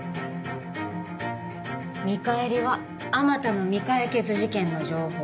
見返りはあまたの未解決事件の情報